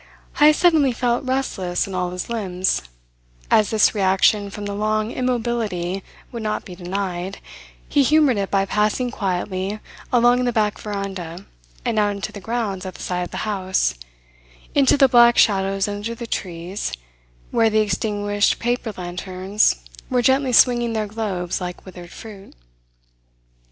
Heyst suddenly felt restless in all his limbs, as this reaction from the long immobility would not be denied, he humoured it by passing quietly along the back veranda and out into the grounds at the side of the house, into the black shadows under the trees, where the extinguished paper lanterns were gently swinging their globes like withered fruit.